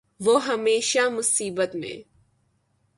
وہ ہمیشہ مصیبت میں